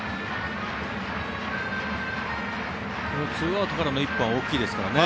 ２アウトからの１本は大きいですからね。